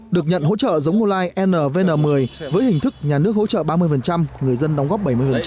được nhận hỗ trợ giống ngô lai lvn một mươi với hình thức nhà nước hỗ trợ ba mươi người dân đóng góp bảy mươi